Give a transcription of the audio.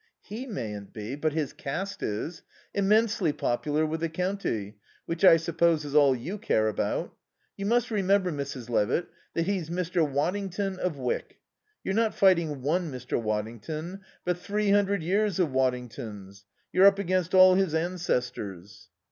"He mayn't be, but his caste is. Immensely popular with the county, which I suppose is all you care about. You must remember, Mrs. Levitt, that he's Mr. Waddington of Wyck; you're not fighting one Mr. Waddington, but three hundred years of Waddingtons. You're up against all his ancestors."